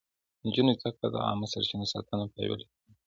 د نجونو زده کړه د عامه سرچينو ساتنه پياوړې کوي.